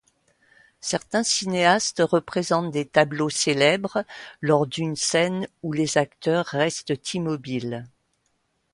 Certains cinéastes représentent des tableaux célèbres lors d'une scène où les acteurs restent immobiles.